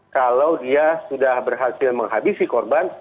kalau dia sudah berhasil menghabisi korban